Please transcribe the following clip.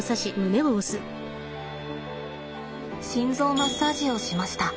心臓マッサージをしました。